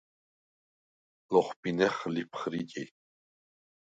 ლოხბინეხ ლიფხრიჭი.